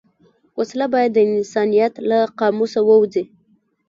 وسله باید د انسانیت له قاموسه ووځي